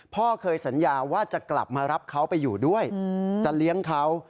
พ่อเคยสัญญาว่าจะกลับมารับเขาไปอยู่ด้วยจะเลี้ยงเขา